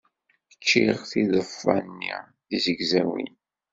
Cciɣ tiḍeffa-nni tizegzawin.